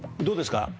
どうですか？